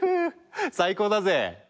最高だぜ！